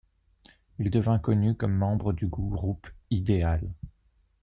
Il devint connu comme membre du groupe Ideal.